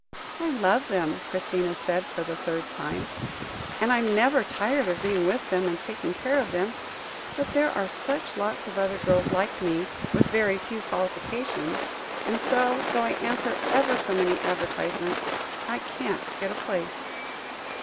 "I love them," Christina said, for the third time, "and I am never tired of being with them, and taking care of them. But there are such lots of other girls like me, with very few qualifications, and so, though I answer ever so many advertisements, I can't get a place."